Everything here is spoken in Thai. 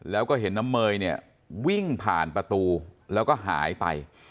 แล้วก็เห็นน้ำเมยเนี่ยวิ่งผ่านประตูแล้วก็หายไป